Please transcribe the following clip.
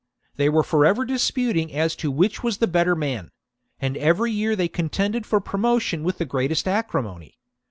They were for ever disputing as to which was the better man ; and every year they contended for promotion with the greatest acri mony.